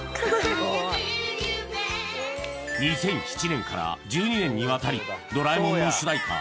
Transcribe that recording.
２００７年から１２年にわたり「ドラえもん」の主題歌